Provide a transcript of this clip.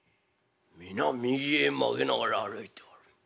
「皆右へ曲げながら歩いておる。